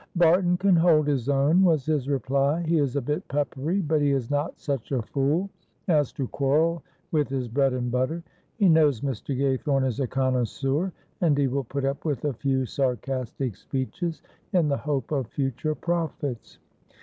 "Barton can hold his own," was his reply. "He is a bit peppery, but he is not such a fool as to quarrel with his bread and butter. He knows Mr. Gaythorne is a connoisseur, and he will put up with a few sarcastic speeches in the hope of future profits.